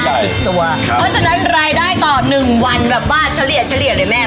สิบตัวครับเพราะฉะนั้นรายได้ต่อหนึ่งวันแบบว่าเฉลี่ยเฉลี่ยเลยแม่